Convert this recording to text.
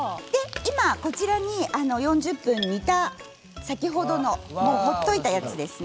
今こちらに４０分煮た先ほどの放っておいたやつですね